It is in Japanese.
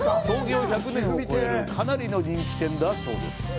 創業１００年を超える、かなりの人気店だそうです。